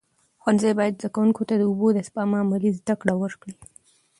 ښوونځي باید زده کوونکو ته د اوبو د سپما عملي زده کړه ورکړي.